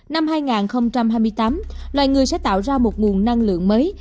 năm hai nghìn hai mươi tám loài người sẽ tạo ra một nguồn năng lượng mới